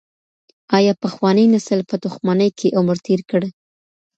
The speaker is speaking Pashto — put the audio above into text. آیا پخواني نسل په دښمنۍ کي عمر تېر کړ؟